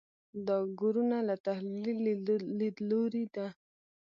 دا ګورنه له تحلیلي لیدلوري ده.